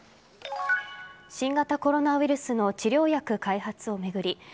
新型コロナウイルスの治療薬開発を巡り